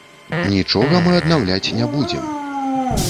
Нічога мы аднаўляць не будзем!